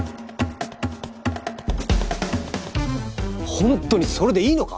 ホントにそれでいいのか？